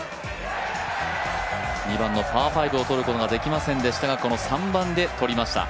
２番のパー５をとることができませんでしたが、この３番で取りました。